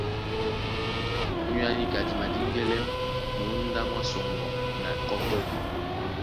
Ónyólá níka di madíŋgɛ́lɛ́ mǒndá mwá sɔŋgɔ na kɔ́tɔ́.